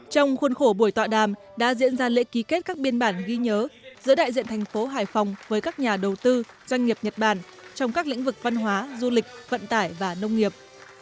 trong khuôn khổ buổi tọa đàm đã diễn ra lễ ký kết các biên bản ghi nhớ giữa đại diện thành phố hải phòng với các nhà đầu tư doanh nghiệp nhật bản trong các lĩnh vực văn hóa du lịch vận tải và nông nghiệp